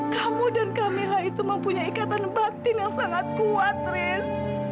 kamu dan camillah itu mempunyai ikatan batin yang sangat kuat trend